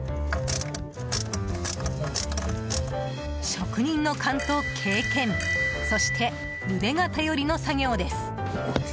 職人の勘と経験そして、腕が頼りの作業です。